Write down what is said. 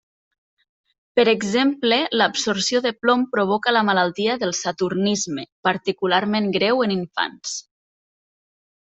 Per exemple l'absorció de plom provoca la malaltia del saturnisme, particularment greu en infants.